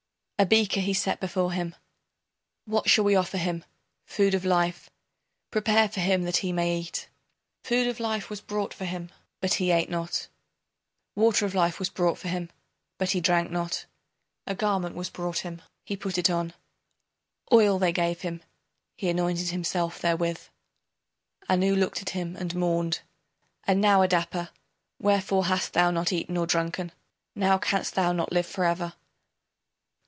] A beaker he set before him. What shall we offer him? Food of life Prepare for him that he may eat. Food of life was brought for him, but he ate not. Water of life was brought for him, but he drank not. A garment was brought him, he put it on, Oil they gave him, he anointed himself therewith. Anu looked at him and mourned: And now, Adapa, wherefore Has thou not eaten or drunken? Now canst thou not live forever